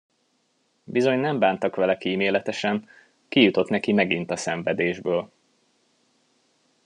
Bizony nem bántak vele kíméletesen, kijutott neki megint a szenvedésből.